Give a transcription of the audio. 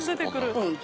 うん。